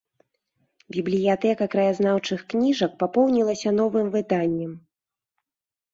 Бібліятэка краязнаўчых кніжак папоўнілася новым выданнем.